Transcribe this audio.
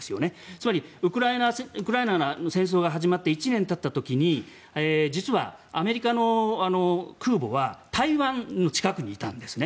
つまり、ウクライナの戦争が始まって１年たった時にアメリカの空母は台湾の近くにいたんですね。